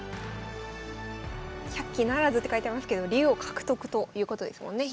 「１００期ならず」って書いてますけど竜王獲得ということですもんね